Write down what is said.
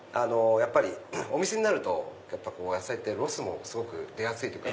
やっぱりお店になると野菜ってロスもすごく出やすいというか。